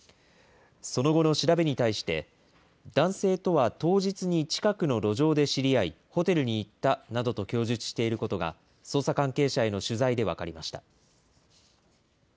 その後の調べに対して、男性とは当日に近くの路上で知り合い、ホテルに行ったなどと供述していることが、捜査関係者への取材で分かりました。